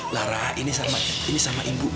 lara ini sama ibu